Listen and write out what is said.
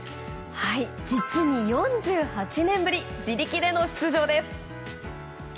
実に４８年ぶり自力での出場です。